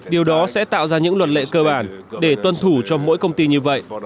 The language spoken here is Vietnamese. điều đó sẽ tạo ra những luật lệ cơ bản để tuân thủ cho mỗi công ty như vậy